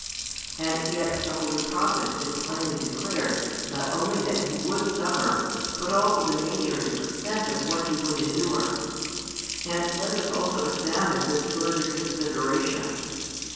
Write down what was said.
And yet the holy prophets had plainly |450 declared not only that He would suffer, but also the nature and extent of what He would endure. And let us also examine this further consideration.